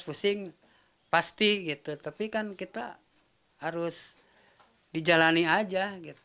pusing pasti tapi kan kita harus dijalani aja